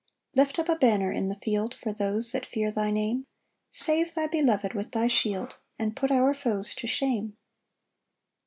4 Lift up a banner in the field, For those that fear thy Name; Save thy beloved with thy shield, And put our foes to shame.